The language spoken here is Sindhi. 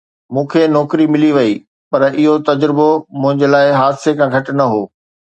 مون کي نوڪري ملي وئي پر اهو تجربو منهنجي لاءِ حادثي کان گهٽ نه هو.